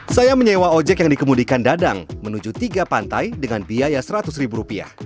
saya menyewa ojek yang dikemudikan dadang menuju tiga pantai dengan biaya rp seratus